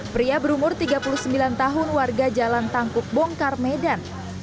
pria berumur tiga puluh sembilan tahun warga jalan tangkuk bongkar medan